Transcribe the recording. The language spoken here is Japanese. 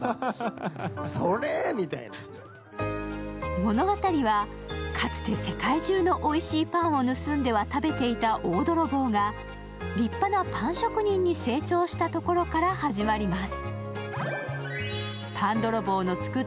物語は、かつて世界中のおいしいパンを盗んでは食べていた大泥棒が、立派なパン職人に成長したところから始まります。